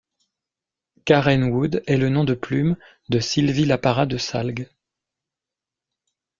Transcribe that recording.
Carène Wood est le nom de plume de Sylvie Laparra de Salgues.